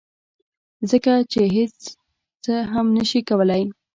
ځکه چې هیڅ څه هم نشي کولی